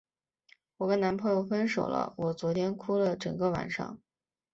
我跟男朋友分手了，我昨天哭了整个晚上。